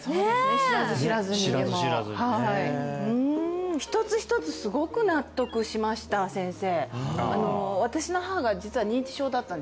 知らず知らず知らず知らずにねふん一つ一つすごく納得しました先生